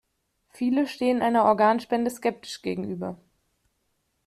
Viele stehen einer Organspende skeptisch gegenüber.